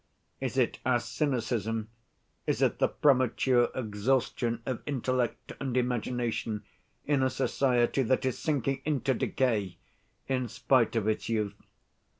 Is it our cynicism, is it the premature exhaustion of intellect and imagination in a society that is sinking into decay, in spite of its youth?